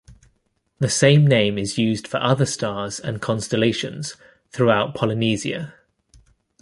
The same name is used for other stars and constellations throughout Polynesia.